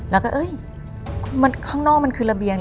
แล้วก็ข้างนอกมันคือระเบียง